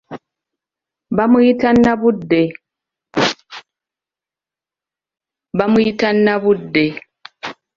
Bamuyita Nnabudde.